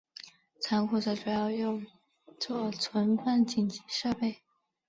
仓库则主要用作存放紧急设备。